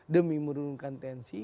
demi menurunkan tensi